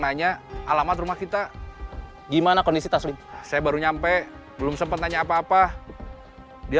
nanya alamat rumah kita gimana kondisi tas saya baru nyampe belum sempat nanya apa apa dia